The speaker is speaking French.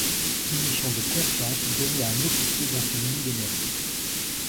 C'est une mission de confiance, donnée à un officier dont il loue les mérites.